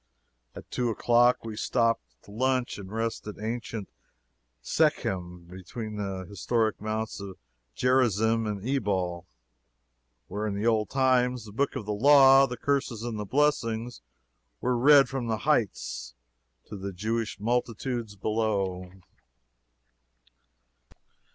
At two o'clock we stopped to lunch and rest at ancient Shechem, between the historic Mounts of Gerizim and Ebal, where in the old times the books of the law, the curses and the blessings, were read from the heights to the Jewish multitudes below.